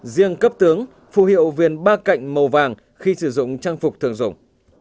riêng cấp tướng phù hiệu vườn ba cạnh màu vàng khi sử dụng trang phục thường dùng